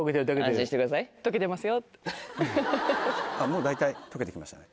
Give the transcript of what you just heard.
もう大体溶けてきましたね。